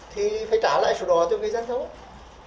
thì phải trả lại số đó cho người dân thôi